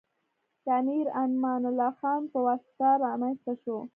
د امیر امان الله خان په تواسط رامنځته شو.